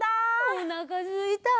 おなかすいた。